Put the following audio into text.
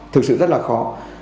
thực sự rất là khó